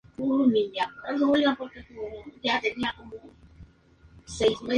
Aunque nunca se casó, tuvo otro hijo más.